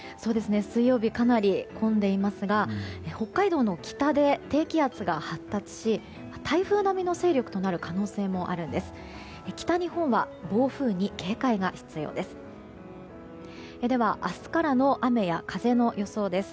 水曜日かなり混んでいますが北海道の北で低気圧が発達し台風並みの勢力となる可能性もあるんです。